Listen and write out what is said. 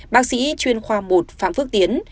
bác sĩ chuyên khoa một phạm phước tiến